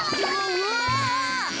うわ！